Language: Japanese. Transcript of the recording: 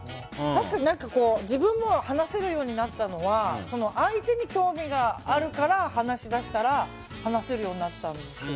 確かに自分も話せるようになったのは相手に興味があるから話し出したら話せるようになったんですよ。